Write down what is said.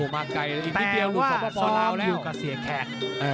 แปลว่าซ้อมอยู่กับเสียแขก